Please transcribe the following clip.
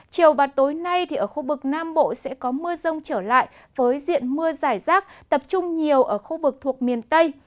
chiều và tối nay ở khu vực nam bộ sẽ có mưa rông trở lại với diện mưa giải rác tập trung nhiều ở khu vực thuộc miền tây